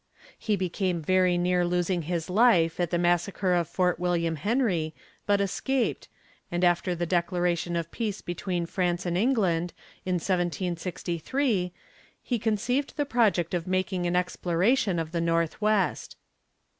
He came very near losing his life at the massacre of Fort William Henry, but escaped, and after the declaration of peace between France and England, in 1763, he conceived the project of making an exploration of the Northwest.